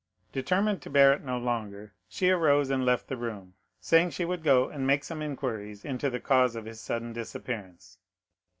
Determined to bear it no longer, she arose and left the room; saying she would go and make some inquiries into the cause of his sudden disappearance.